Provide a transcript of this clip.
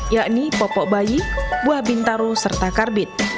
yakni popok bayi buah bintaro serta karbit